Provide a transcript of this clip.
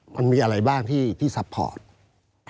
มันมีอะไรบ้างที่ซัพพอร์ต